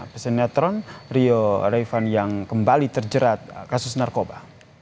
presiden netron rio rayfan yang kembali terjerat kasus narkoba